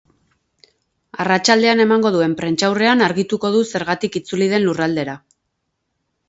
Arratsaldean emango duen prentsaurrean argituko du zergatik itzuli den lurraldera.